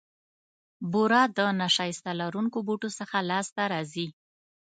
بوره د نیشاسته لرونکو بوټو څخه لاسته راځي.